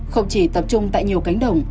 không chỉ tập trung tại nhiều cánh đồng